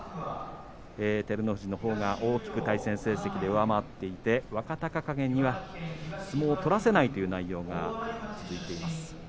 照ノ富士のほうが大きく対戦成績では上回っていて若隆景には相撲を取らせないという内容が続いています。